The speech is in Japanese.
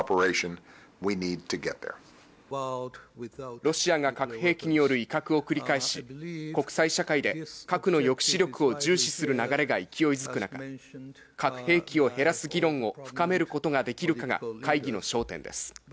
ロシアが核兵器による威嚇を繰り返し、国際社会で核の抑止力を重視する流れが勢いづく中、核兵器を減らす議論を深めることができるかが会議の焦点です。